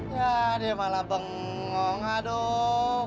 ya dia malah bengong aduk